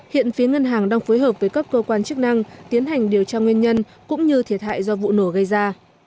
hiện phía ngân hàng đang phối hợp với các cơ quan chức năng tiến hành điều tra nguyên nhân cũng như thiệt hại do vụ nổ gây ra